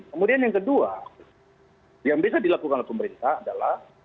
kemudian yang kedua yang bisa dilakukan oleh pemerintah adalah